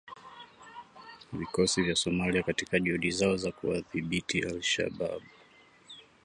vikosi vya Somalia katika juhudi zao za kuwadhibiti al Shabaab